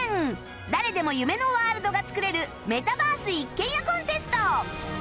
誰でも夢のワールドが作れるメタバース一軒家コンテスト